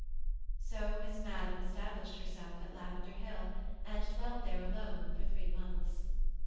So Miss Madden established herself at Lavender Hill, and dwelt there alone for three months.